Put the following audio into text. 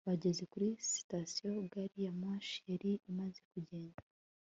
bageze kuri sitasiyo, gari ya moshi yari imaze kugenda